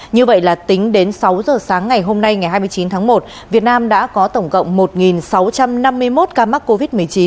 như vậy là tính đến sáu giờ sáng ngày hôm nay ngày hai mươi chín tháng một việt nam đã có tổng cộng một sáu trăm năm mươi một ca mắc covid một mươi chín